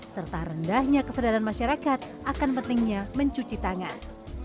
serta rendahnya kesadaran masyarakat akan pentingnya mencuci tangan